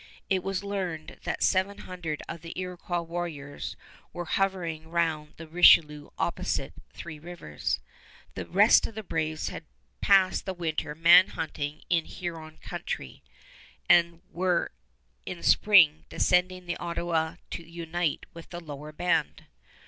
It was learned that seven hundred of the Iroquois warriors were hovering round the Richelieu opposite Three Rivers. The rest of the braves had passed the winter man hunting in the Huron country, and were in spring descending the Ottawa to unite with the lower band.